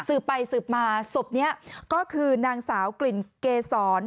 สืบไปสืบมาศพนี้ก็คือนางสาวกลิ่นเกษร